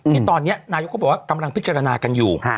ที่ตอนนี้นายกเขาบอกว่ากำลังพิจารณากันอยู่